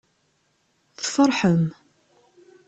Tfeṛḥem.